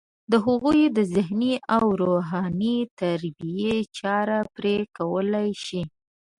د هغوی د ذهني او روحاني تربیې چاره پرې کولی شي.